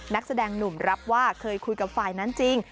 นักแสดงหนุ่มรับว่าเคยคุยกับฝ่ายนั้นจริง